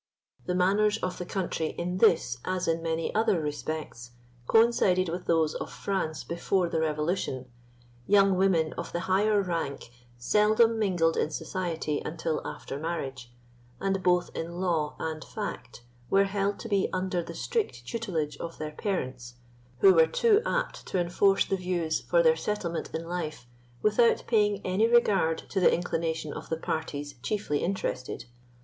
The manners of the country in this, as in many other respects, coincided with those of France before the Revolution. Young women of the higher rank seldom mingled in society until after marriage, and, both in law and fact, were held to be under the strict tutelage of their parents, who were too apt to enforce the views for their settlement in life without paying any regard to the inclination of the parties chiefly interested.